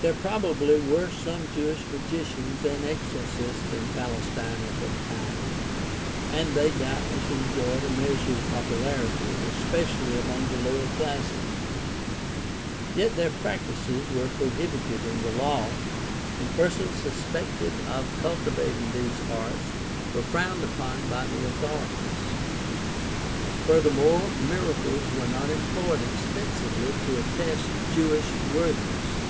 There probably were some Jewish magicians and exorcists in Palestine at that time, and they doubtless enjoyed a measure of popularity, especially among the lower classes. Yet their practices were prohibited in the Law, and persons suspected of cultivating these arts were frowned upon by the authorities (Deut. 18:9 14; Acts 4:7). Further more, miracles were not employed extensively to attest Jewish worthies.